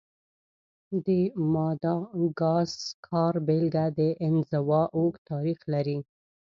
د ماداګاسکار بېلګه د انزوا اوږد تاریخ لري.